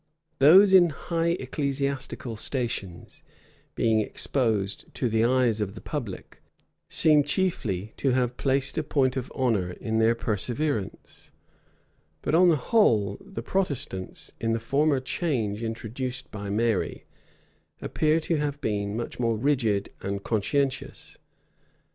Those in high ecclesiastic stations, being exposed to the eyes of the public, seem chiefly to have placed a point of honor in their perseverance; but on the whole, the Protestants, in the former change introduced by Mary, appear to have been much more rigid and conscientious.